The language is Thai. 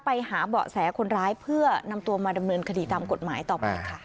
ไปหาเบาะแสคนร้ายเพื่อนำตัวมาดำเนินคดีตามกฎหมายต่อไปค่ะ